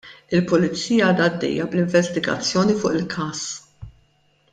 Il-Pulizija għadha għaddejja bl-investigazzjoni fuq il-każ.